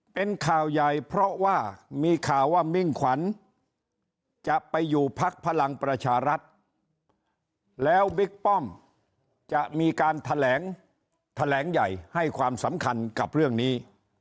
เป็นข่าวใหญ่เพราะว่ามีข่าวว่ามิ่งขวัญจะไปอยู่พักพลังประชารัฐแล้วบิ๊กป้อมจะมีการแถลงใหญ่ให้ความสำคัญกับเรื่องนี้